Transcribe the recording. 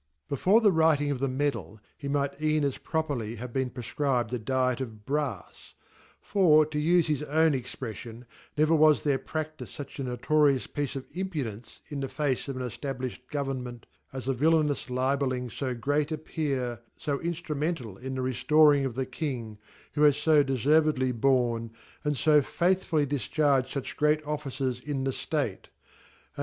Before the writing of the Medal , he might e % n as properly have been prefcribed a Diet of Brafs ; for (toufe his own ex /r^w)hev'er was there pradtifed iuch a notorious piece of impudence ia die face of an Eftablifhed Govcernment , as thcvillanous ' LibeUingfo great a Peer , fo inflrumental in the ttfiprixg of the King, who bar fa defervedly born, and fo faith* fully difcharged fuch great Offices in the State ; and.